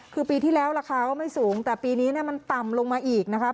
คือปีที่แล้วราคาก็ไม่สูงแต่ปีนี้มันต่ำลงมาอีกนะครับ